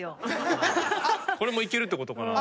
これもいけるってことかな？